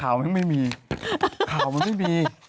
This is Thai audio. ข่าวมันไม่มีข่าวมันไม่มี